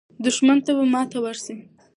دښمن ته به ماته ورسي.